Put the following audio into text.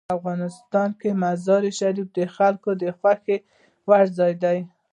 افغانستان کې مزارشریف د خلکو د خوښې وړ ځای دی.